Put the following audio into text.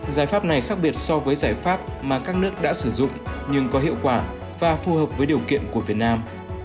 giải pháp này khác biệt so với giải pháp mà các nước đã sử dụng nhưng có hiệu quả và phù hợp với điều kiện của việt nam